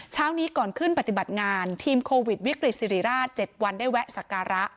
เช้านี้ก่อนขึ้นปฏิบัติงานทีมโควิดวิกฤตศิริราช๗วันได้แวะสักการะ